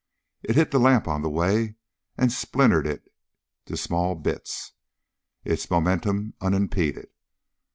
It hit the lamp on the way and splintered it to small bits, its momentum unimpeded.